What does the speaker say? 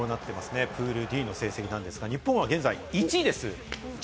現在プールＤの成績、日本は現在１位です。